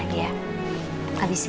salim dulu salim salim